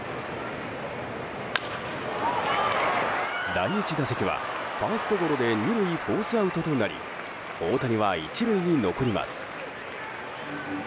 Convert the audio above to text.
第１打席はファーストゴロで２塁フォースアウトとなり大谷は１塁に残ります。